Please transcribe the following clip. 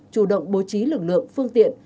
chủ động bố trí lực lượng phương tiện